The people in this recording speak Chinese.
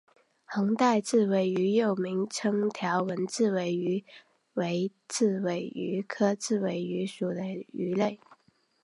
横带刺尾鱼又名条纹刺尾鱼为刺尾鱼科刺尾鱼属的鱼类。